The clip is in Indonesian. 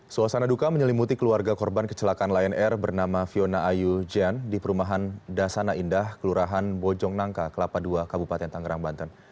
suasana duka menyelimuti keluarga korban kecelakaan lion air bernama fiona ayu jan di perumahan dasana indah kelurahan bojong nangka kelapa ii kabupaten tangerang banten